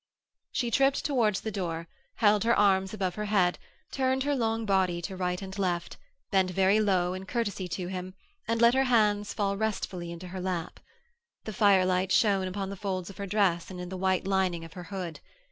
She tripped towards the door, held her arms above her head, turned her long body to right and left, bent very low in a courtesy to him, and let her hands fall restfully into her lap. The firelight shone upon the folds of her dress and in the white lining of her hood.